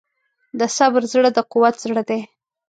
د صبر زړه د قوت زړه دی.